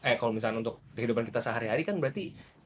eh kalau misalnya untuk kehidupan kita sehari hari kan berarti